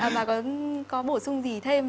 mà có bổ sung gì thêm